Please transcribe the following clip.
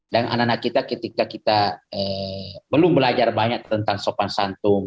dan anak anak kita ketika kita belum belajar banyak tentang sopan santum